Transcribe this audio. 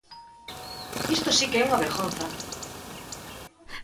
¡Isto si que é unha vergonza!